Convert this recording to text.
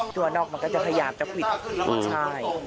ตัวนอกมันก็จะพยายามจะควิดใช่